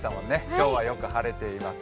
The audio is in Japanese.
今日はよく晴れています。